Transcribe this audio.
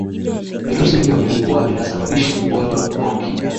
virusi hivyo vilikuwa vinasababisa ugonjwa wa ukimwi